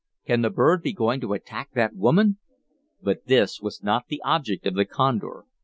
"Can the bird be going to attack the woman?" But this was not the object of the condor.